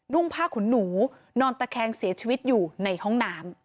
ผ้าขุนหนูนอนตะแคงเสียชีวิตอยู่ในห้องน้ำ